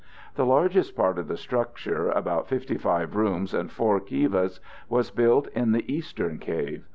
The largest part of the structure, about 55 rooms and 4 kivas, was built in the eastern cave.